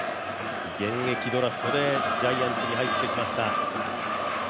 現役ドラフトでジャイアンツに入ってきました。